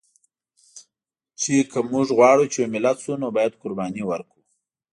چې که مونږ غواړو چې یو ملت شو، نو باید قرباني ورکړو